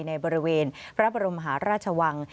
ในบริเวณพระบรมหาราชวัง